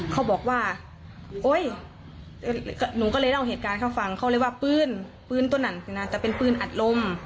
เขาบอกว่าโอ๊ยหนูก็เลยเล่าเหตุการณ์เขาฟังเขาเลยว่าปืนปืนตัวนั้นแต่เป็นปืนอัดลม